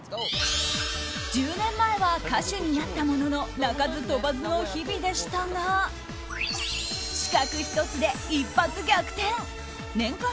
１０年前は歌手になったものの鳴かず飛ばずの日々でしたが資格１つで一発逆転年間